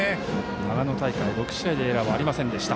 長野大会は６試合でエラーはありませんでした。